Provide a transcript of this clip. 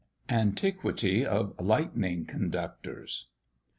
_ ANTIQUITY OF LIGHTNING CONDUCTORS.